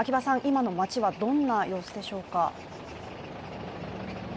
今の街はどんな様子でしょうか。